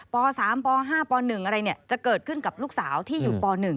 ป๓ป๕ป๑อะไรจะเกิดขึ้นกับลูกสาวที่อยู่ป๑